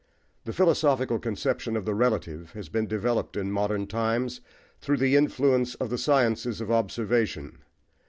The philosophical conception of the relative has been developed in modern times through the influence of the sciences of observation.